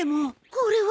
これは。